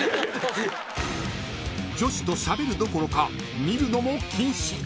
［女子としゃべるどころか見るのも禁止］